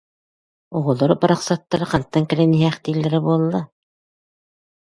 Оҕолор барахсаттар хантан кэлэн иһээхтииллэрэ буолла